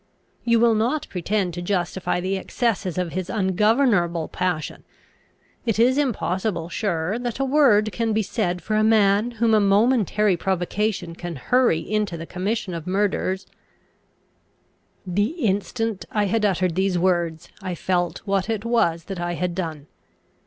You will not pretend to justify the excesses of his ungovernable passion. It is impossible, sure, that a word can be said for a man whom a momentary provocation can hurry into the commission of murders " The instant I had uttered these words, I felt what it was that I had done.